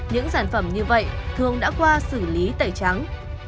những sản phẩm như vậy thường đã qua xử lý tẩy trắng